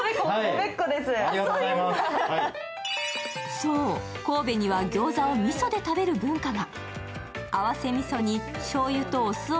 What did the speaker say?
そう、神戸にはギョーザをみそで食べる文化が。